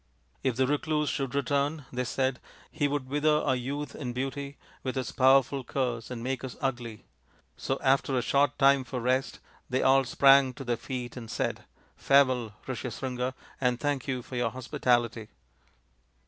" If the recluse should return/' they said, " he would wither our youth and beauty with his powerful curse, and make us ugly !" So after a short time for rest they all sprang to their feet and said, " Farewell, Rishyasringa, and thank you for your hospitality."